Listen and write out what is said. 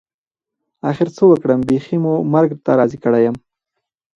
اخر څه وکړم بيخي مو مرګ ته راضي کړى يم.